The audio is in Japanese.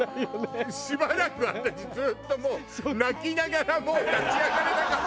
しばらく私ずっと泣きながらもう立ち上がれなかった。